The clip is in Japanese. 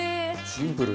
シンプル。